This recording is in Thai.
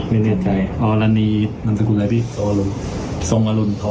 ไม่เนียนใจอ๋อแล้วนี่มันสกุลอะไรพี่ทองอรุณ